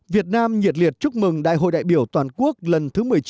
việt nam nhiệt liệt chúc mừng đại hội đại biểu toàn quốc lần thứ một mươi chín